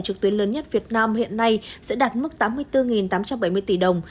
trực tuyến lớn nhất việt nam hiện nay sẽ đạt mức tám mươi bốn tám trăm bảy mươi tỷ đồng